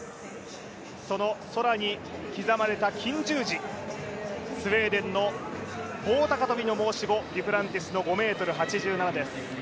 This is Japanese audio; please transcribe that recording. その空に刻まれた金十字、スウェーデンの棒高跳の申し子、デュプランティスの５ｍ８７です。